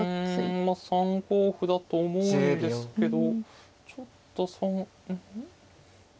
うんまあ３五歩だと思うんですけどちょっとうん？